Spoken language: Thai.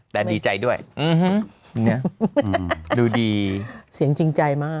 แต่ดีใจด้วยดูดีเสียงจริงใจมาก